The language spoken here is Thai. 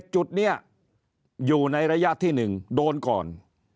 จุดนี้อยู่ในระยะที่๑โดนก่อน